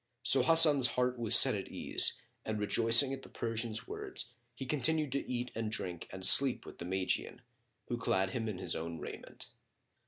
So Hasan's heart was set at ease and rejoicing at the Persian's words, he continued to eat and drink and sleep with the Magian, who clad him in his own raiment.